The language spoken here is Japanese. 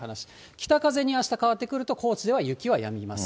北風にあした変わってくると、高知では雪はやみます。